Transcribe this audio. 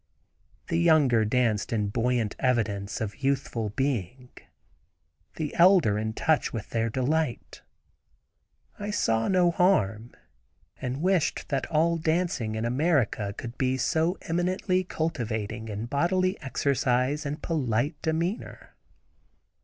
The younger danced in buoyant evidence of youthful being, the elder in touch with their delight. I saw no harm, and wished that all dancing in America could be so eminently cultivating in bodily exercise and polite demeanor.